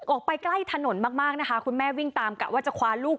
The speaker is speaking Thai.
ออกไปใกล้ถนนมากมากนะคะคุณแม่วิ่งตามกะว่าจะคว้าลูก